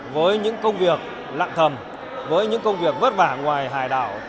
với những công việc lặng thầm với những công việc vất vả ngoài hải đảo